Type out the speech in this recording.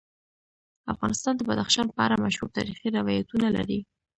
افغانستان د بدخشان په اړه مشهور تاریخی روایتونه لري.